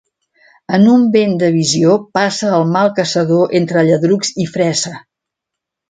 En un vent de visió passa el mal caçador entre lladrucs i fressa.